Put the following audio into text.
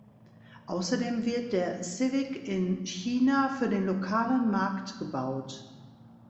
Außerdem wird der Civic in China für den lokalen Markt gebaut.